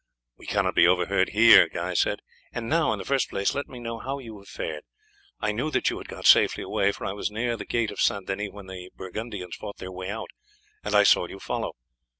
"We cannot be overheard here," Guy said, "and now, in the first place, let me know how you have fared. I knew that you had got safely away, for I was near the gate of St. Denis when the Burgundians fought their way out, and I saw you follow."